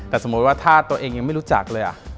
แต่สมมุติว่าถ้าตัวเองยังไม่รู้จักเลย